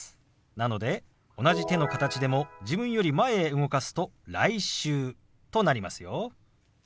なので同じ手の形でも自分より前へ動かすと「来週」となりますよ。